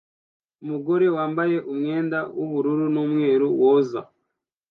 Umugore wambaye umwenda w'ubururu n'umweru woza